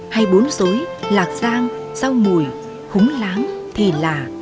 hay bún sối lạc rang rau mùi húng láng thị lạ